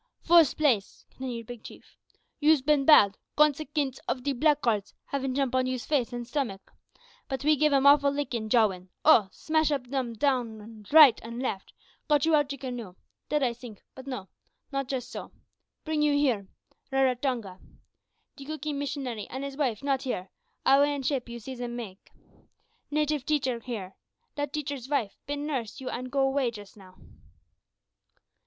"Fust place," continued Big Chief, "you's bin bad, konsikince of de blackguard's havin' jump on you's face an' stummick. But we give 'em awful lickin', Jowin oh! smash um down right and left; got you out de canoe dead, I think, but no, not jus' so. Bring you here Raratonga. De Cookee missionary an' his wife not here; away in ship you sees im make. Native teecher here. Dat teecher's wife bin nurse you an' go away jus' now.